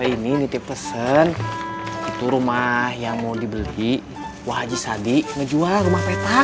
ini nitip pesen itu rumah yang mau dibeli wah aji sadi ngejual rumah peta